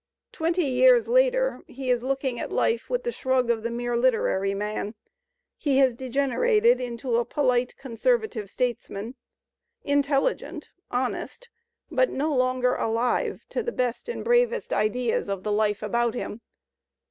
Twenty years later he is looking at life with the shrug of the mere literary man; he has degenerated into a polite conservative statesman, intelligent, honest, but no longer Digitizfed by Google LOWELL 201 alive to the best and bravest ideas of the life about him.